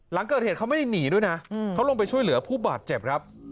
หลังเกิดเหตุเขาไม่ได้หนีด้วยนะเขาลงไปช่วยเหลือผู้บาดเจ็บครับ